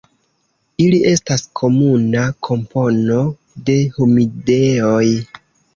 Ili estas komuna kompono de humidejoj.